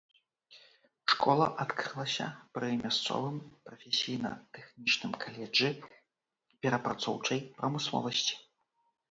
Школа адкрылася пры мясцовым прафесійна-тэхнічным каледжы перапрацоўчай прамысловасці.